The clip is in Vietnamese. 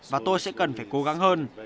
và tôi sẽ cần phải cố gắng hơn